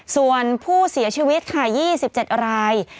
ส่วนผู้เสียชีวิตค่ะ๒๗ราย